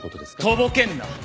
とぼけんな！